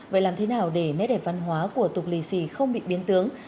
vậy làm thế nào để nét đẹp văn hóa của tục lì xì không bị biến tướng